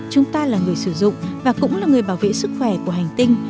chúng ta là người sử dụng và cũng là người bảo vệ sức khỏe của hành tinh